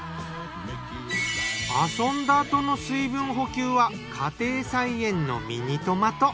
遊んだあとの水分補給は家庭菜園のミニトマト。